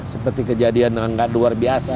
seperti kejadian yang tidak luar biasa